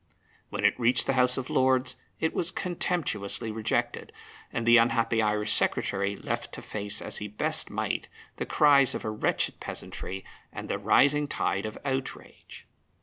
When it reached the House of Lords it was contemptuously rejected, and the unhappy Irish Secretary left to face as he best might the cries of a wretched peasantry and the rising tide of outrage.